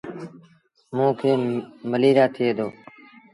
موݩ کي مليٚريآ ٿئي دو۔